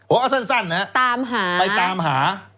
เอาสั้นนะครับไปตามหา